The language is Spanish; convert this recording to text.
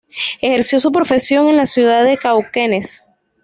Ejerció su profesión en la ciudad de Cauquenes.